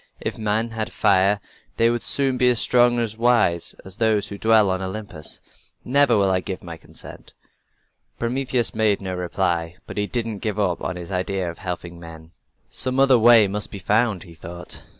"If men had fire they would soon be as strong and wise as we who dwell on Olympus. Never will I give my consent." Prometheus made no reply, but he didn't give up his idea of helping men. "Some other way must be found," he thought.